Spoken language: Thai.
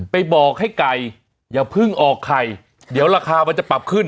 ไปบอกให้ไก่อย่าเพิ่งออกไข่เดี๋ยวราคามันจะปรับขึ้น